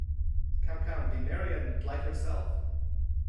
Come, come, be merry and like yourself!